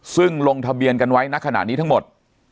ซึ่งลงทะเบียนกันไว้ณขณะนี้ทั้งหมด